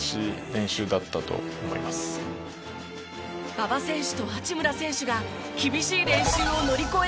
馬場選手と八村選手が厳しい練習を乗り越えられた理由。